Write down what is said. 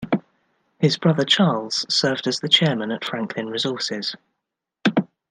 His brother, Charles, served as the Chairman at Franklin Resources.